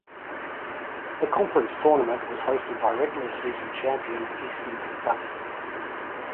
The conference tournament was hosted by regular season champion Eastern Kentucky.